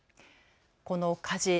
この火事。